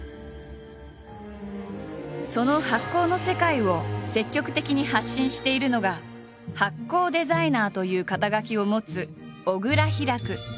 その発酵の世界を積極的に発信しているのが「発酵デザイナー」という肩書を持つ小倉ヒラク。